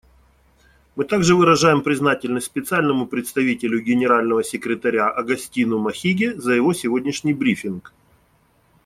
Мы также выражаем признательность Специальному представителю Генерального секретаря Огастину Махиге за его сегодняшний брифинг.